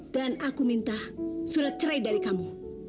dan aku minta surat cerai dari kamu